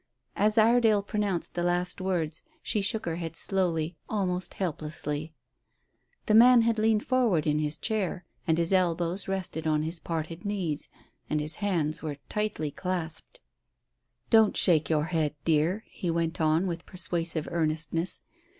As Iredale pronounced the last words she shook her head slowly almost helplessly. The man had leaned forward in his chair, and his elbows rested on his parted knees, and his hands were tightly clasped. "Don't shake your head, dear," he went on, with persuasive earnestness.